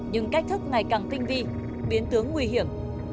nhưng cách thức ngày càng tinh vi biến tướng nguy hiểm